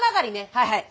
はいはい。